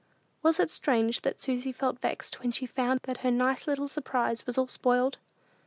Was it strange that Susy felt vexed when she found that her nice little surprise was all spoiled?